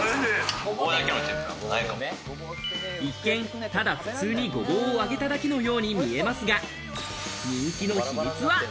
一見ただ普通にごぼうをあげただけのように見えますが、人気の秘密は。